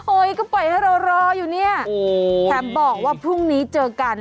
ก็ปล่อยให้เรารออยู่เนี่ยแถมบอกว่าพรุ่งนี้เจอกัน